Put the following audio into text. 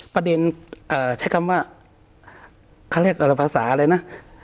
ประเด็นใช้คำว่าเขาเรียกอะไรภาษาอะไรนะ